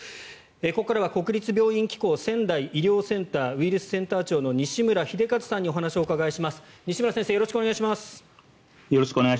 ここからは国立病院機構仙台医療センター・ウイルスセンター長の西村秀一さんにお話をお伺いします。